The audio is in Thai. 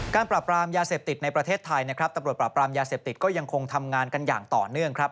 ปราบรามยาเสพติดในประเทศไทยนะครับตำรวจปราบรามยาเสพติดก็ยังคงทำงานกันอย่างต่อเนื่องครับ